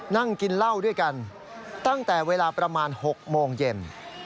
นั่งกินเหล้าด้วยกันตั้งแต่เวลาประมาณ๖โมงเย็น